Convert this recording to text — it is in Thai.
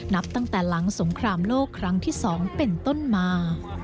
นับตั้งแต่หลังสงครามโลกครั้งที่๒เป็นต้นมา